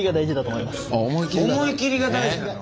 思い切りが大事なの？